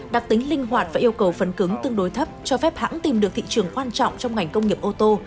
đặc tính linh hoạt và yêu cầu phấn cứng tương đối thấp cho phép hãng tìm được thị trường quan trọng trong ngành công nghiệp ô tô